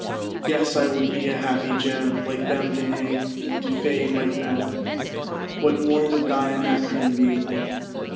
Yes, I would be a happy gem, Like them to hang, to fade like them. What more would thy Anacreon be?